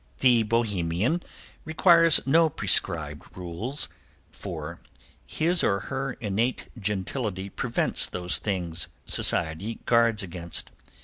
The Bohemian requires no prescribed rules, for his or her innate gentility prevents those things Society guards against.